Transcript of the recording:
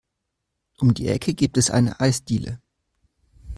Um die Ecke gibt es eine Eisdiele.